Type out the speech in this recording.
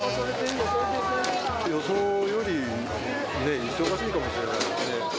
一方、こちら、予想よりね、忙しいかもしれないですね。